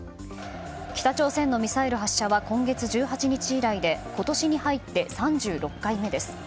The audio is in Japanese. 北朝鮮のミサイル発射は今月１８日以来で今年に入って３６回目です。